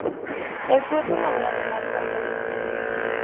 El fruto madura de marzo a junio.